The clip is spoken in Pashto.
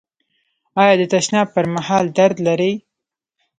ایا د تشناب پر مهال درد لرئ؟